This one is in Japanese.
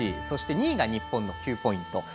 そして、２位が日本の９ポイント。